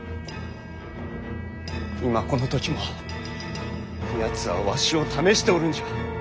今この時もやつはわしを試しておるんじゃ。